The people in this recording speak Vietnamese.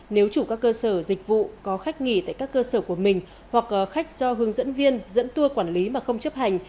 nếu chủ các cơ sở dịch vụ có khách nghỉ tại các cơ sở của mình hoặc khách do hướng dẫn viên dẫn tua quản lý mà không chấp hành